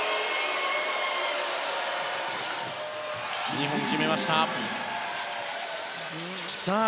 ２本決めました。